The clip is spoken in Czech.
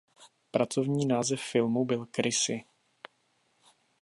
Pracovní název filmu byl "Krysy".